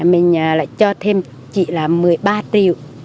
mình lại cho thêm chị là một mươi ba triệu